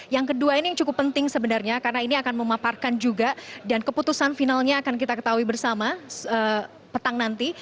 yang kedua ini yang cukup penting sebenarnya karena ini akan memaparkan juga dan keputusan finalnya akan kita ketahui bersama petang nanti